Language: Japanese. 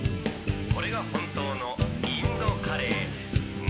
これが本当のインドカレーなんちって」